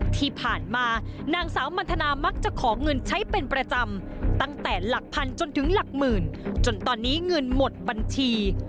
ที่ผ่านมานางสาวมันทนามักจะขอเงินใช้เป็นประจำตั้งแต่หลักพันจนถึงหลักหมื่นจนตอนนี้เงินหมดบัญชี